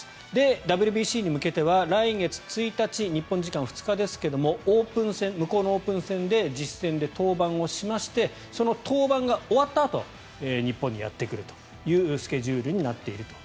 ＷＢＣに向けては来月１日日本時間２日ですが向こうのオープン戦で実戦で登板をしましてその登板が終わったあと日本にやってくるというスケジュールになっていると。